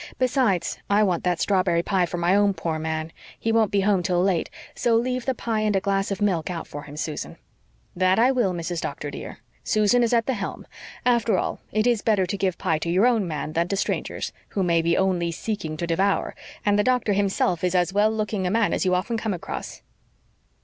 Besides, I want that strawberry pie for my own poor man. He won't be home till late, so leave the pie and a glass of milk out for him, Susan." "That I will, Mrs. Doctor, dear. Susan is at the helm. After all, it is better to give pie to your own men than to strangers, who may be only seeking to devour, and the doctor himself is as well looking a man as you often come across."